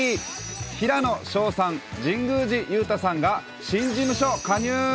平野紫燿さん、神宮寺勇太さんが、新事務所加入。